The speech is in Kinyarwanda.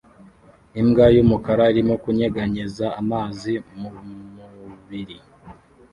Imbwa yumukara irimo kunyeganyeza amazi mumubiri